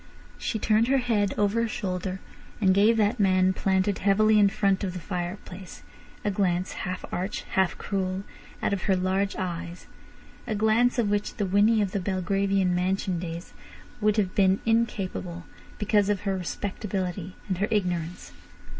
She turned her head over her shoulder and gave that man planted heavily in front of the fireplace a glance, half arch, half cruel, out of her large eyes—a glance of which the Winnie of the Belgravian mansion days would have been incapable, because of her respectability and her ignorance.